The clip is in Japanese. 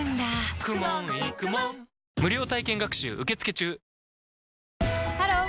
無料体験学習受付中！ハロー！